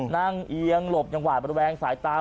นั่งเอียงหลบยังหวาดแบบแวงสายตา